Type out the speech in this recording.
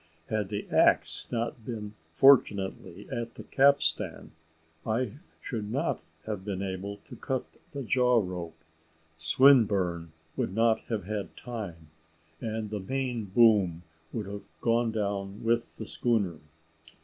Had the axe not been fortunately at the capstan, I should not have been able to cut the jaw rope, Swinburne would not have had time, and the main boom would have gone down with the schooner.